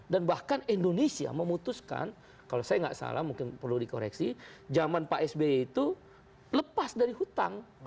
dan bahkan indonesia memutuskan kalau saya nggak salah mungkin perlu dikoreksi jaman pak sby itu lepas dari hutang